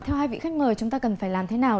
theo hai vị khách mời chúng ta cần phải làm thế nào